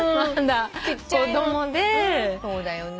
そうだよね。